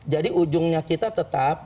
jadi ujungnya kita tetap